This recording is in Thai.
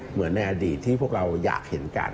เหมือนในอดีตที่พวกเราอยากเห็นกัน